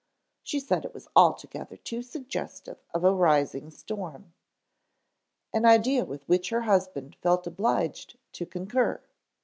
She said it was altogether too suggestive of a rising storm, an idea with which her husband felt obliged to concur.